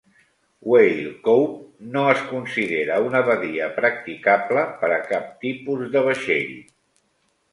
Whale Cove no es considera una badia practicable per a cap tipus de vaixell.